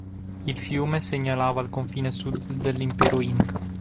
Il fiume segnalava il confine sud dell'impero inca.